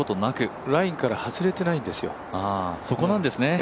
でも、ラインから外れてないんですよ。